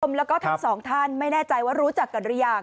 แล้วก็ทั้งสองท่านไม่แน่ใจว่ารู้จักกันหรือยัง